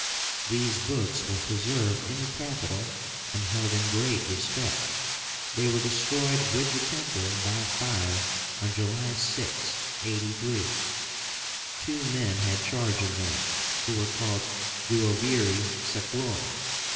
These books were preserved in the Capitol, and held in great respect. They were destroyed with the temple by fire, on July 6, 83. Two men had charge of them, who were called duoviri sacrórum.